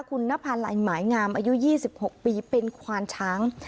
คุณนภาลัยหมายงามอายุ๒๖ปีเป็นควานช้าง